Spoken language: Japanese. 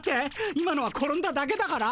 今のは転んだだけだから。